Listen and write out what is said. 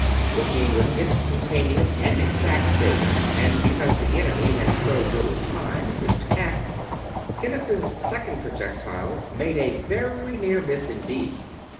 Working with instantaneous and exact data, and because the enemy had so little time in which to act, Kinnison's second projectile made a very near miss indeed.